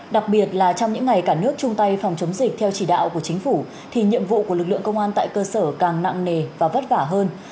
với ngày cả nước chung tay phòng chống dịch theo chỉ đạo của chính phủ thì nhiệm vụ của lực lượng công an tại cơ sở càng nặng nề và vất vả hơn